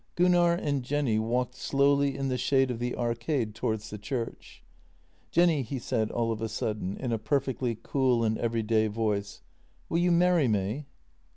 Gunnar and Jenny walked slowly in the shade of the arcade towards the church. " Jenny," he said all of a sudden, in a perfectly cool and everyday voice, "will you marry me?"